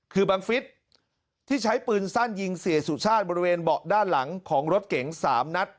คือบังฟิศที่ใช้ปืนสั้นยิงเสียสุชาติบริเวณเบาะด้านหลังของรถเก๋ง๓นัด